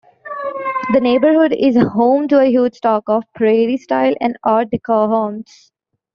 The neighborhood is home to a huge stock of prairie-style and art deco homes.